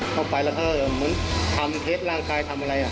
ต่อไปแล้วถ้าเหมือนทำเท็จร่างกายทำอะไรอะ